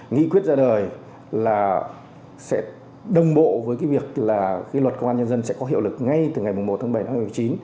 nghị quyết ra đời là sẽ đồng bộ với cái việc là khi luật công an nhân dân sẽ có hiệu lực ngay từ ngày một tháng bảy năm hai nghìn một mươi chín